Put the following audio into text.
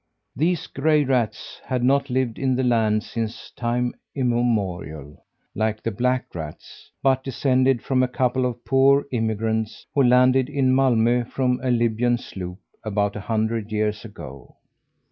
These gray rats had not lived in the land since time immemorial, like the black rats, but descended from a couple of poor immigrants who landed in Malmö from a Libyan sloop about a hundred years ago.